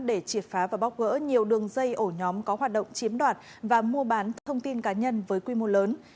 để triệt phá và bóc gỡ nhiều đường dây ổ nhóm có hoạt động chiếm đoạt và mua bán thông tin cá nhân với quy mô lớn